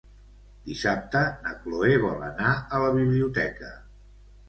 Dissabte na Cloè vol anar a la biblioteca.